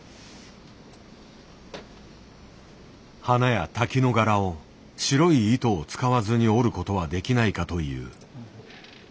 花や滝の柄を白い糸を使わずに織ることはできないかという。